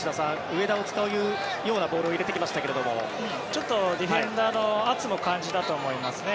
上田を使うようなボールを入れてきましたけれどもちょっとディフェンダーの圧も感じたと思いますね。